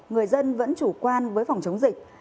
người dân vẫn chủ quan với phòng chống dịch